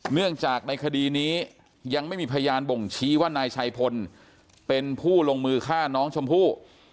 เนื่องจากในคดีนี้ยังไม่มีพยานบ่งชี้ว่านายชัยพลเป็นผู้ลงมือฆ่าน้องชมพู่